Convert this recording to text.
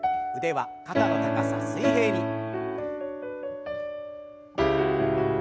腕は肩の高さ水平に。